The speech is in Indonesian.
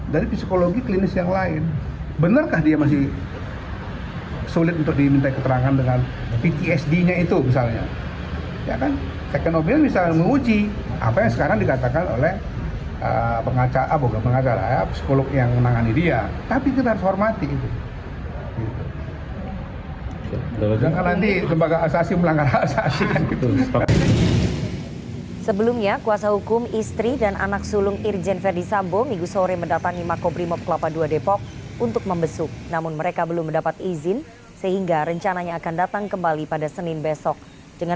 dan kalau misalnya berminggu minggu belum juga kami sudah usulkan sekarang supaya digunakan juga second opinion dari psikologi klinisnya